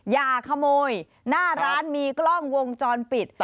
อย่าขโมยหน้าร้านมีกล้องวงจรปิด